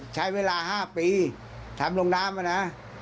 ใช้เวลาห้าปีทำโรงน้ำนะ